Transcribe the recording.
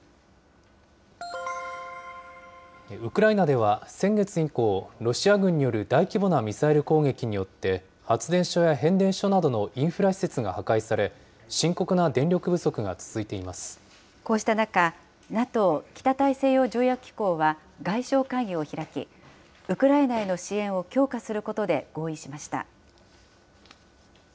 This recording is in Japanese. ウクライナでは先月以降、ロシア軍による大規模なミサイル攻撃によって、発電所や変電所などのインフラ施設が破壊され、こうした中、ＮＡＴＯ・北大西洋条約機構は外相会議を開き、ウクライナへの支援を強化することで合意しました。